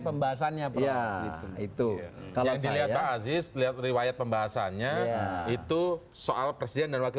pembahasannya beliau itu kalau saya aziz lihat riwayat pembahasannya itu soal presiden dan wakil